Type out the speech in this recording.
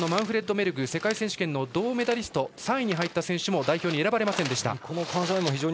世界選手権の銅メダリスト３位に入った選手も代表に選ばれませんでした。